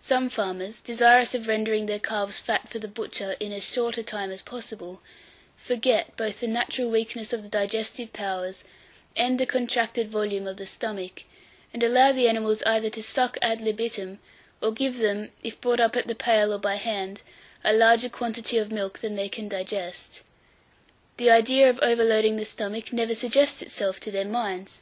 Some farmers, desirous of rendering their calves fat for the butcher in as short a time as possible, forget both the natural weakness of the digestive powers, and the contracted volume of the stomach, and allow the animals either to suck ad libitum, or give them, if brought up at the pail or by hand, a larger quantity of milk than they can digest. The idea of overloading the stomach never suggests itself to their minds.